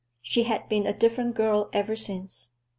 She had been a different girl ever since.